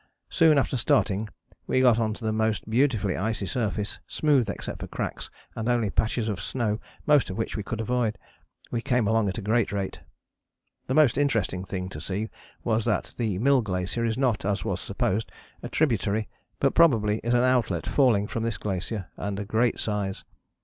Soon after starting we got on to the most beautiful icy surface, smooth except for cracks and only patches of snow, most of which we could avoid. We came along at a great rate. "The most interesting thing to see was that the Mill Glacier is not, as was supposed, a tributary, but probably is an outlet falling from this glacier, and a great size.